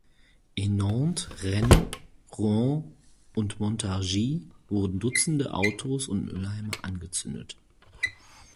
In Nantes, Rennes, Rouen und Montargis wurden Dutzende Autos und Mülleimer angezündet.